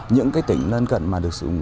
những cái tỉnh lên cận mà được sử dụng